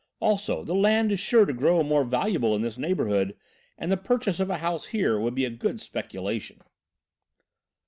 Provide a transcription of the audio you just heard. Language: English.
Also, the land is sure to grow more valuable in this neighbourhood and the purchase of a house here would be a good speculation!"